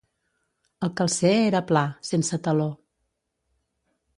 El calcer era pla, sense taló.